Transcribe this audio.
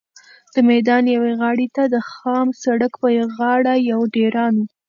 د میدان یوې غاړې ته د خام سړک پر غاړه یو ډېران و.